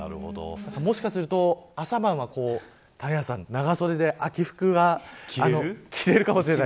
もしかすると朝晩は長袖で、秋服が着られるかもしれません。